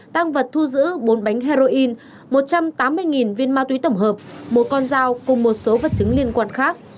tăng vật thu giữ bốn bánh heroin một trăm tám mươi viên ma túy tổng hợp một con dao cùng một số vật chứng liên quan khác